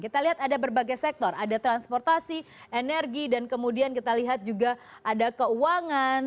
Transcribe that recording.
kita lihat ada berbagai sektor ada transportasi energi dan kemudian kita lihat juga ada keuangan